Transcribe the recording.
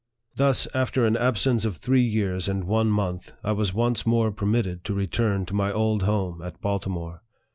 Thus, after an absence of three years and one month, I was once more permitted to return to my old home at Baltimore.